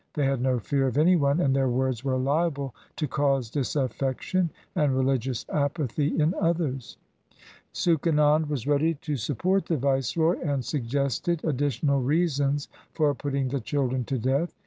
They had no fear of any one, and their words were liable to cause disaffection and religious apathy in others. Suchanand was ready to support the viceroy, and suggested additional reasons for putting the children to death.